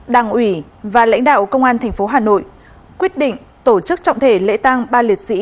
đảng ủy và lãnh đạo công an tp hà nội quyết định tổ chức trọng thể lễ tang ba liệt sĩ